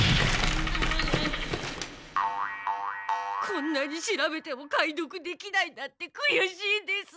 こんなに調べても解読できないなんてくやしいです。